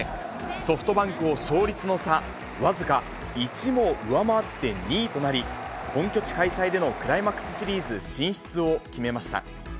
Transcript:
ソフトバンクを勝率の差、僅か１毛上回って２位となり、本拠地開催でのクライマックスシリーズ進出を決めました。